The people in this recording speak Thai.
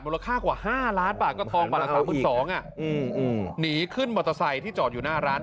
มูลค่ากว่าห้าล้านบาทก็ทองประคาพื้นสองอ่ะอืมอืมหนีขึ้นมอเตอร์ไซค์ที่จอดอยู่หน้าร้าน